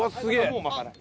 もう巻かない。